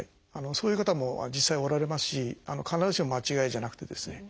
そういう方も実際おられますし必ずしも間違いじゃなくてですね